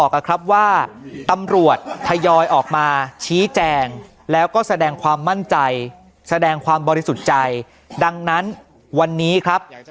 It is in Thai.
ก่อนที่ไปตรวจคนบ้านของในเป้วันที่๒๓พฤษภาคมช่วงบ่ายนะครับ